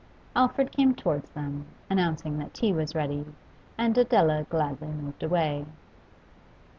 Alfred came towards them, announcing that tea was ready, and Adela gladly moved away.